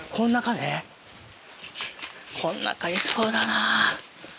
こん中いそうだな。